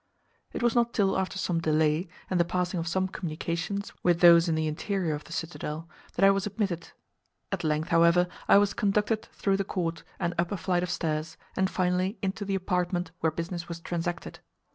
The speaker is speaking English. It was not till after some delay, and the passing of some communications with those in the interior of the citadel, that I was admitted. At length, however, I was conducted through the court, and up a flight of stairs, and finally into the apartment where business was transacted.